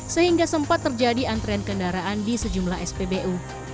sehingga sempat terjadi antrean kendaraan di sejumlah spbu